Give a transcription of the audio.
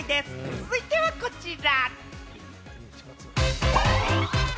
続いてはこちら！